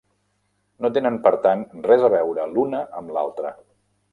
No tenen per tant res a veure l'una amb l'altra.